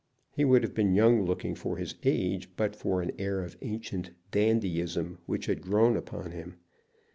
He would have been young looking for his age, but for an air of ancient dandyism which had grown upon him.